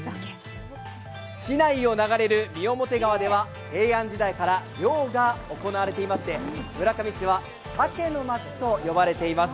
市内を流れる三面川では平安時代から漁が行われていまして村上市は鮭のまちと呼ばれています。